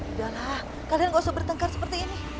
udahlah kalian gak usah bertengkar seperti ini